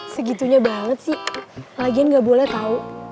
segitunya banget sih lagian gak boleh tahu